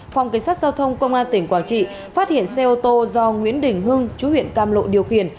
phòng cảnh sát giao thông công an tỉnh quảng trị phát hiện xe ô tô do nguyễn đình hưng chú huyện cam lộ điều khiển